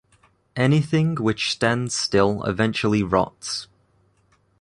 Anything which stands still eventually rots.